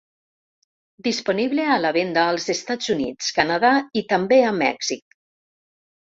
Disponible a la venda als Estats Units, Canada i també a Mèxic.